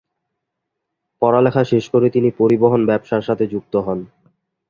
পড়ালেখা শেষ করে তিনি পরিবহন ব্যবসার সাথে যুক্ত হন।